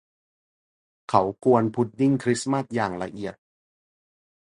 เขากวนพุดดิ้งคริสต์มาสอย่างละเอียด